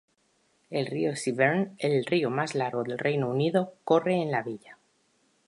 El río Severn, el río más largo del Reino Unido, corre en la villa.